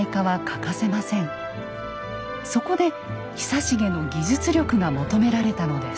そこで久重の技術力が求められたのです。